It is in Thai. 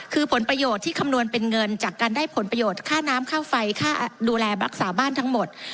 คือผลประโยชน์ที่คำนวณเป็นเงินจากการได้ผลประโยชน์ค่าน้ำค่าไฟค่าดูแลรักษาบ้านทั้งหมด